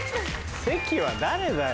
関は誰だよ。